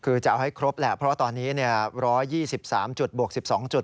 คือจะเอาให้ครบแหละเพราะว่าตอนนี้๑๒๓จุดบวก๑๒จุด